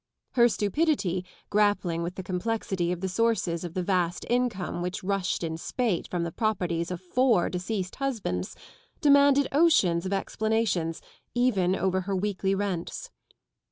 Her stupidity, grappling with the complexity of the sources of the vast income which rushed in spate from the properties ┬®I four deceased husbands, demanded oceans of explanations even oyer her weekly rents.